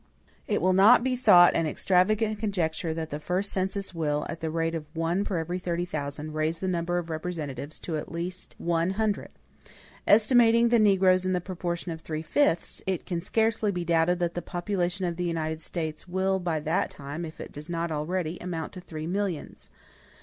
It will not be thought an extravagant conjecture that the first census will, at the rate of one for every thirty thousand, raise the number of representatives to at least one hundred. Estimating the negroes in the proportion of three fifths, it can scarcely be doubted that the population of the United States will by that time, if it does not already, amount to three millions.